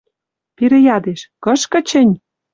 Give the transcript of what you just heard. Пирӹ ядеш: «Кышкы чӹнь